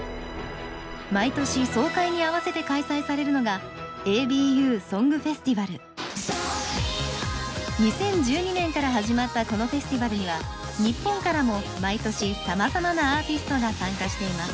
毎年総会に合わせて開催されるのが２０１２年から始まったこのフェスティバルには日本からも毎年さまざまなアーティストが参加しています。